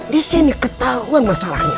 di sini ketahuan masalahnya